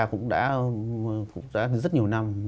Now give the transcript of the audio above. cũng đã rất nhiều năm